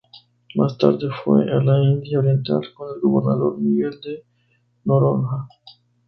Más tarde fue a la India oriental con el gobernador Miguel de Noronha.